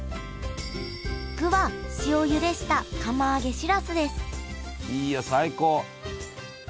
具は塩ゆでした釜揚げしらすですいいよ最高。